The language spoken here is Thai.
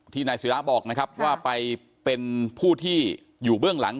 นายศิราบอกนะครับว่าไปเป็นผู้ที่อยู่เบื้องหลัง